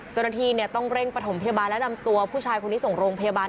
เจ้าหน้าที่ต้องเร่งประถมพยาบาลและนำตัวผู้ชายคนนี้ส่งโรงพยาบาล